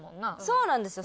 そうなんですよ。